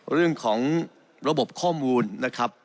เรื่องของระบบข้อมูลนะครับ